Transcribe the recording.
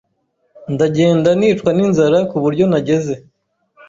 ndagenda nicwa n’inzara ku buryo nageze